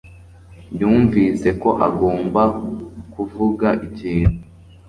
yumvise ko agomba kuvuga ikintu.